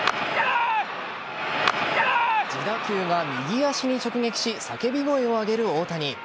自打球が右足に直撃し叫び声を上げる大谷。